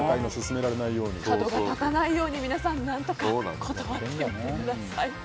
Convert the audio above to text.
角が立たないように皆さん、何とか断ってください。